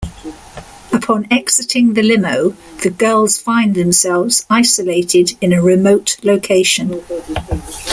Upon exiting the limo, the girls find themselves isolated in a remote location.